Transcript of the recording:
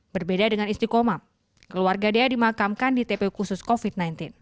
berbeda dengan istiqomah keluarga dea dimakamkan di tpu khusus covid sembilan belas